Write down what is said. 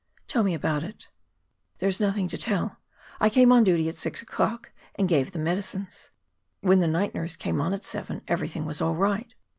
"Tell me about it." "There is nothing to tell. I came on duty at six o'clock and gave the medicines. When the night nurse came on at seven, everything was all right.